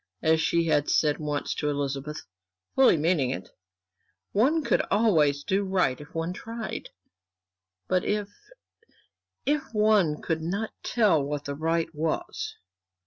As she had said once to Elizabeth, fully meaning it, one could always do right if one tried. But if if one could not tell what the right was?...